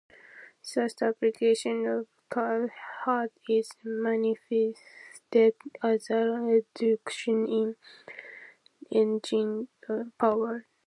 Thus the application of carb heat is manifested as a reduction in engine power.